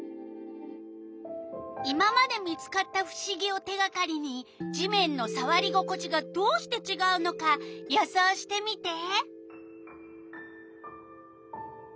今まで見つかったふしぎを手がかりに地面のさわり心地がどうしてちがうのか予想してみて！